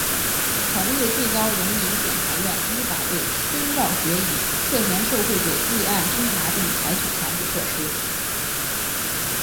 同日最高人民检察院依法对孙兆学以涉嫌受贿罪立案侦查并采取强制措施。